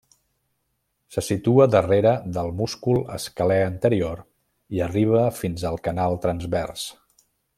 Se situa darrere del múscul escalè anterior i arriba fins al canal transvers.